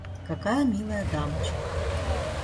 Какая милая дамочка!